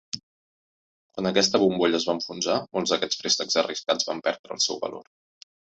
Quan aquesta bombolla es va enfonsar, molts d'aquests préstecs arriscats van perdre el seu valor.